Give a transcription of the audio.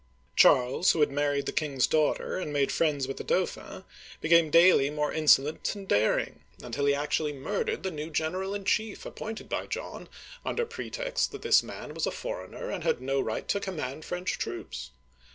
Charles, who had married the king's daughter, and made friends with the Dauphin, became daily more insolent and daring, until he actually murdered the new general in chief ap pointed by John, under pretext that this man was a foreigner and had no right to command French troops